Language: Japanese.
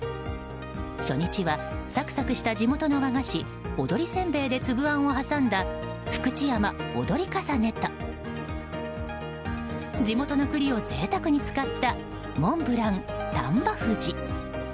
初日はサクサクした地元のお菓子踊せんべいで粒あんを挟んだ福知山踊かさねと地元の栗を贅沢に使ったモンブラン丹波富士。